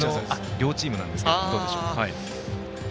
両チームなんですけどどうでしょう？